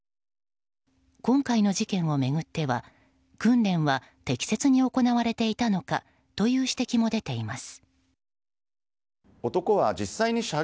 今回の事件を巡っては、訓練は適切に行われていたのかという指摘も出ています。